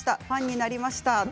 ファンになりました。